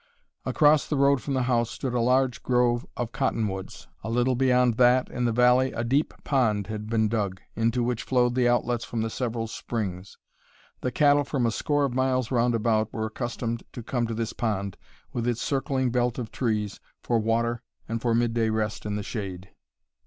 Across the road from the house stood a large grove of cottonwoods; a little beyond that, in the valley, a deep pond had been dug, into which flowed the outlets from the several springs. The cattle from a score of miles roundabout were accustomed to come to this pond, with its circling belt of trees, for water and for midday rest in the shade.